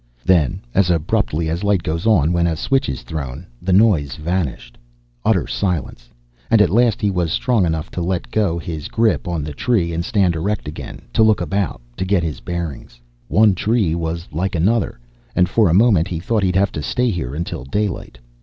Then, as abruptly as light goes on when a switch is thrown, the noise vanished. Utter silence, and at last he was strong enough to let go his grip on the tree and stand erect again, to look about to get his bearings. One tree was like another, and for a moment he thought he'd have to stay here until daylight.